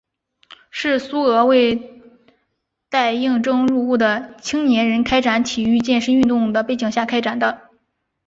是苏俄为待应征入伍的青年人开展体育健身运动的背景下开展的。